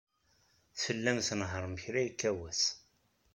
Tellam tnehhṛem kra yekka wass.